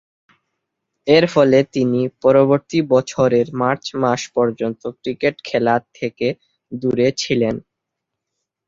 এরফলে তিনি পরবর্তী বছরের মার্চ মাস পর্যন্ত ক্রিকেট খেলা থেকে দূরে ছিলেন।